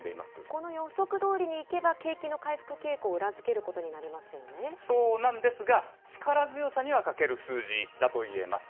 この予測どおりにいけば、景気の回復傾向を裏付けることになそうなんですが、力強さには欠ける数字だと言えます。